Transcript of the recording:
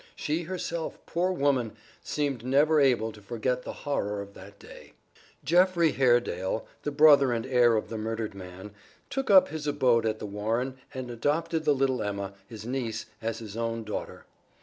She herself, poor woman! seemed never able to forget the horror of that day. Geoffrey Haredale, the brother and heir of the murdered man, took up his abode at The Warren and adopted the little Emma, his niece, as his own daughter.